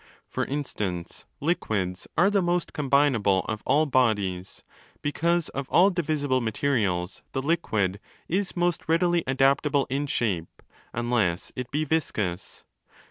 For instance, liquids are the most 'combinable' of all bodies—because, of all divisible materials, the liquid is most readily adaptable in shape, unless it be viscous.